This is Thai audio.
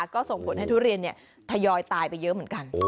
ก็ส่งผลให้ทุเรียนทยอยตายไปเยอะเหมือนกัน